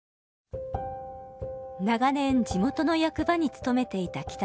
長年地元の役場に勤めていた北沢さん。